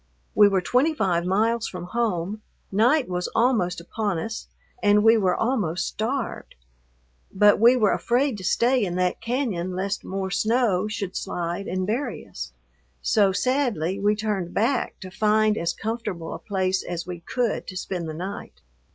We were twenty five miles from home, night was almost upon us, and we were almost starved. But we were afraid to stay in that cañon lest more snow should slide and bury us, so sadly we turned back to find as comfortable a place as we could to spend the night.